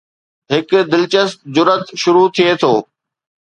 هڪ دلچسپ جرئت شروع ٿئي ٿو